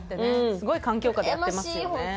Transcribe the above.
すごい環境下でやってますよね。